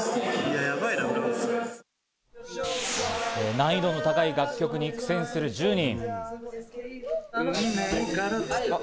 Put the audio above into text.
難易度の高い楽曲に苦戦する１０人。